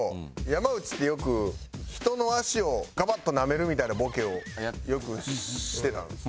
山内ってよく人の足をガバッと舐めるみたいなボケをよくしてたんですね。